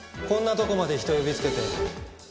こんなとこまで人を呼びつけて。